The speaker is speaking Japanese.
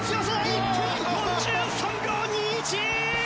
１分４３秒２１！